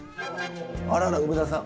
あらら梅沢さん